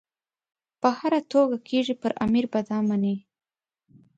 په هره توګه کېږي پر امیر به دا مني.